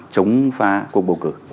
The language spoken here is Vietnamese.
chống phá cuộc bầu cử